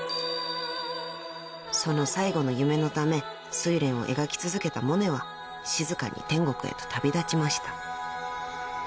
［その最後の夢のため『睡蓮』を描き続けたモネは静かに天国へと旅立ちました］